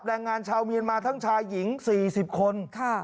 แรงงานชาวเมียนมาทั้งชายหญิง๔๐คน